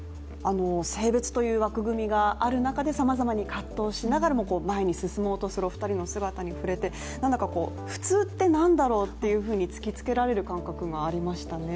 性別という枠組みがある中でさまざまに葛藤しながら前に進もうとするお二人の姿に触れて普通って何だろうと突きつけられる感覚がありましたね。